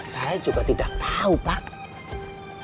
saya juga tidak tahu pak